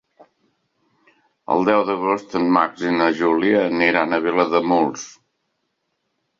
El deu d'agost en Max i na Júlia aniran a Vilademuls.